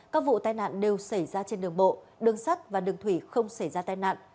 các vụ tai nạn đều xảy ra trên đường bộ đường sắt và đường thủy không xảy ra tai nạn